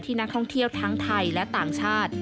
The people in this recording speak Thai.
นักท่องเที่ยวทั้งไทยและต่างชาติ